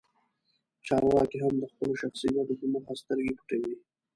چارواکي هم د خپلو شخصي ګټو په موخه سترګې پټوي.